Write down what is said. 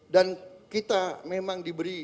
dan kita memang diberi